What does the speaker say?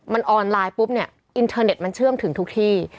มันออนไลน์ปุ๊บเนี่ยอินเทอร์เน็ตมันเชื่อมถึงทุกที่